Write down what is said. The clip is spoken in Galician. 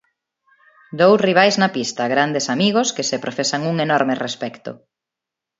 Dous rivais na pista, grandes amigos que se profesan un enorme respecto.